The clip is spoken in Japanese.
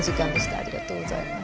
ありがとうございます。